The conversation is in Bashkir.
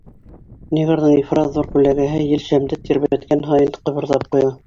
Негрҙың ифрат ҙур күләгәһе ел шәмде тирбәткән һайын ҡыбырҙап ҡуя.